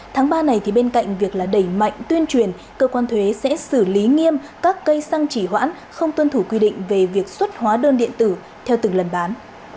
tháng ba này thì bên cạnh việc là đẩy mạnh tuyên truyền cơ quan thuế sẽ xử lý nghiêm các cây xăng chỉ hoãn không tuân thủ quy định về việc xuất hóa đơn điện tử theo từng lần bán